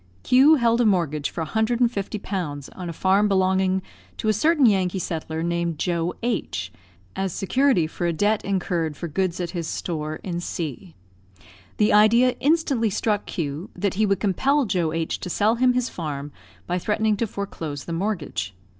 Q held a mortgage for 150 pounds on a farm belonging to a certain Yankee settler, named Joe H , as security for a debt incurred for goods at his store, in C . The idea instantly struck Q that he would compel Joe H to sell him his farm, by threatening to foreclose the mortgage.